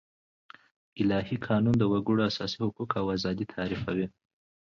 الهي قانون د وګړو اساسي حقوق او آزادي تعريفوي.